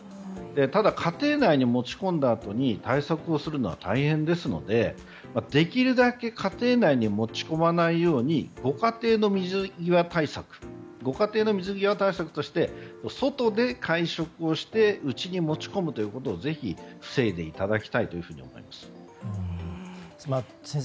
ただ、家庭内に持ち込んだあとに対策をするのは大変ですのでできるだけ家庭内に持ち込まないようにご家庭の水際対策として外で会食をして家に持ち込むことをぜひ防いでいただきたいと思います。